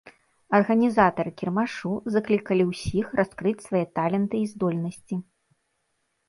Арганізатары кірмашу заклікалі ўсіх раскрыць свае таленты і здольнасці.